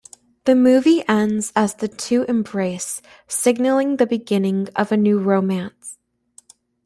The movie ends as the two embrace, signaling the beginning of a new romance.